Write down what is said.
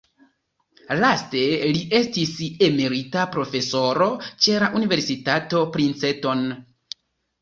Laste li estis emerita profesoro ĉe la Universitato Princeton.